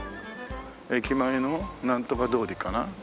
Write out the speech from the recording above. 駅前のなんとか通りかな？